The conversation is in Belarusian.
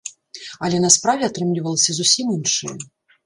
Але на справе атрымлівалася зусім іншае.